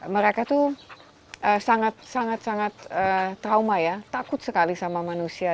mereka tuh sangat sangat trauma ya takut sekali sama manusia